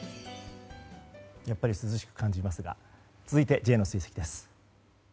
やっぱり涼しく感じますが続いて、Ｊの追跡です。